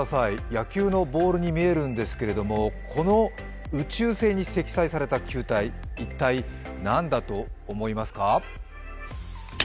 野球ボールに見えるんですけれどこの宇宙船に積載された球体、一体何だと思いますか？